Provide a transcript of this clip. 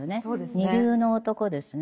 二流の男ですね。